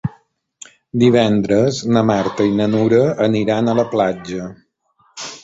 Divendres na Marta i na Nura aniran a la platja.